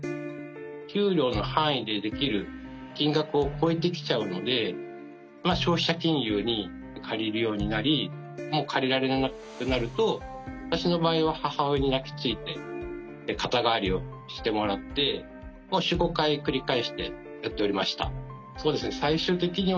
給料の範囲でできる金額を超えてきちゃうので消費者金融に借りるようになりもう借りられなくなると私の場合は母親に泣きついて肩代わりをしてもらって４５回繰り返してやっておりました。